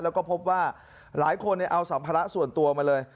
แล้วก็พบว่าหลายคนเอาสัมภาระส่วนตัวมาเลย